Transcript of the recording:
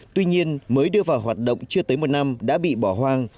tuy nhiên mới đưa vào hoạt động chưa tới một năm đã bị bỏ hoang